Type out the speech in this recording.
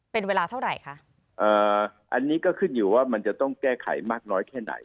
เป็นเวลาเท่าไหร่คะเอ่ออันนี้ก็ขึ้นอยู่ว่ามันจะต้องแก้ไขมากน้อยแค่ไหน